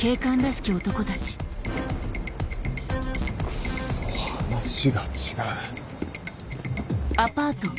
クソ話が違う。